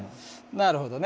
なるほどね。